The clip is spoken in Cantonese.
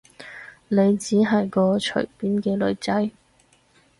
你只係個隨便嘅女仔